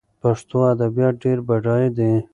پښتو ادبيات ډېر بډايه دي.